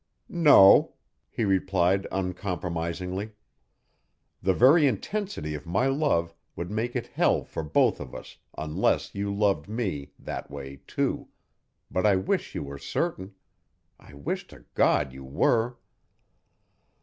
"No," he replied uncompromisingly, "the very intensity of my love would make it hell for both of us unless you loved me that way, too but I wish you were certain. I wish to God you were!"